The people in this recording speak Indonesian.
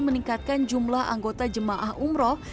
meningkatkan jumlah anggota jemaah umroh